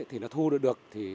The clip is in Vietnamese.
thì nó thu được được